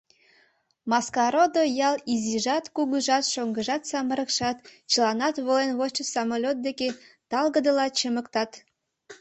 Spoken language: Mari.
Маскародо ял изижат-кугужат, шоҥгыжат-самырыкшат — чыланат волен вочшо самолёт деке талгыдыла чымыктат.